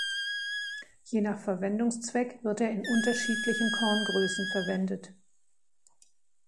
Je nach Verwendungszweck wird er in unterschiedlichen Korngrößen verwendet.